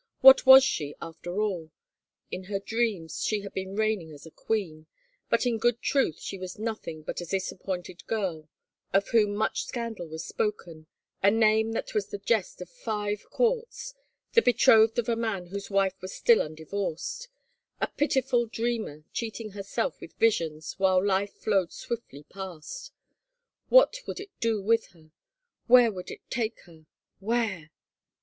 What was she, after all? ... In her dreams she had been reigning as a queen, but in good truth she was nothing but a disap pointed girl of whom much scandal was spoken, a name that was the jest of five courts, the betrothed of a man whose wife was still undivorced, a pitiful dreamer cheat ing herself with visions while life flowed swiftly past. What would it do with her ? Where would it take her ?— Where